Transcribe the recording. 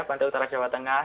pantai utara jawa tengah